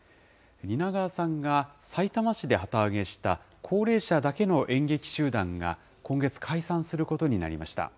蜷川さんがさいたま市で旗揚げした、高齢者だけの演劇集団が今月、解散することになりました。